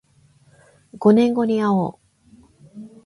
五年後にあおう